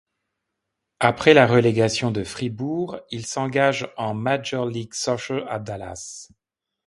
Après la relégation de Fribourg, il s'engage en Major League Soccer à Dallas.